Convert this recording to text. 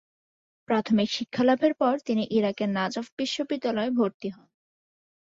প্রাথমিক শিক্ষালাভের পর তিনি ইরাকের নাজাফ বিশ্ববিদ্যালয়ে ভর্তি হন।